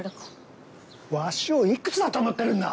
わしをいくつだと思ってるんだ！